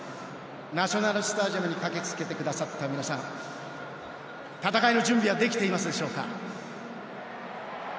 ナショナルスタジアムに駆けつけてくださった皆さん戦いの準備はできていますでしょうか。